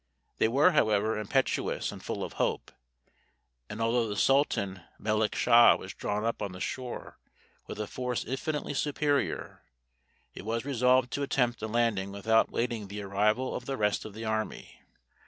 They were, however, impetuous and full of hope; and although the Sultan Melick Shah was drawn up on the shore with a force infinitely superior, it was resolved to attempt a landing without waiting the arrival of the rest of the army.